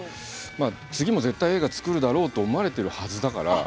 次も絶対映画作るだろうと思われてるはずだから。